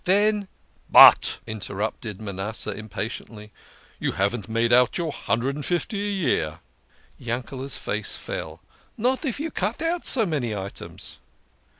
Yen "" But," interrupted Manasseh impatiently, " you haven't made out your hundred and fifty a year." Yankee's face fell. " Not if you cut out so many items."